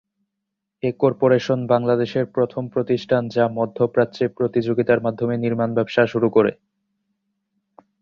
এ corporation বাংলাদেশের প্রথম প্রতিষ্ঠান যা মধ্যপ্রাচ্যে প্রতিযোগিতার মাধ্যমে নির্মাণ ব্যবসা শুরু করে।